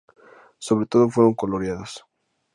Sobre todo, fueron coloreados.